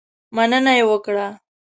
مننه یې وکړه.